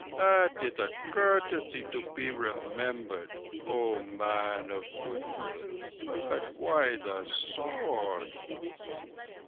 "That is a courtesy to be remembered, O man of good will. But why the sword?"